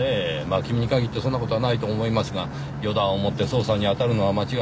まあ君に限ってそんな事はないと思いますが予断をもって捜査に当たるのは間違いの元ですよ。